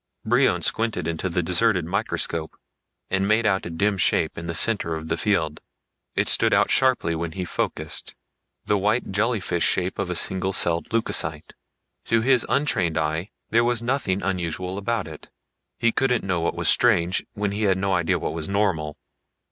Brion squinted into the deserted microscope and made out a dim shape in the center of the field. It stood out sharply when he focused the white, jellyfish shape of a single celled leucocyte. To his untrained eye there was nothing unusual about it. He couldn't know what was strange, when he had no idea of what was normal.